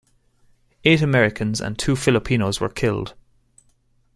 Eight Americans and two Filipinos were killed.